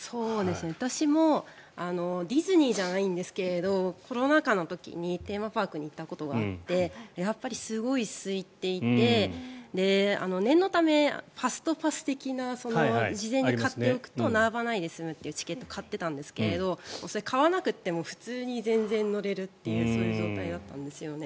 私もディズニーじゃないんですけどコロナ禍の時にテーマパークに行った時があってやっぱりすごいすいていて念のため、ファストパス的な事前に買っておくと並ばないで済むというのを買っていたんですけどそれを買わなくても普通に全然乗れるというそういう状態だったんですよね。